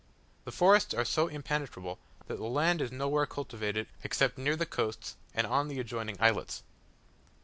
The forests are so impenetrable, that the land is nowhere cultivated except near the coast and on the adjoining islets.